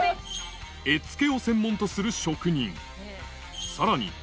絵付けを専門とする職人さらに